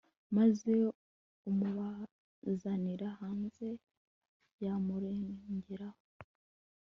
maze amubazanira hanze. bamurengeraho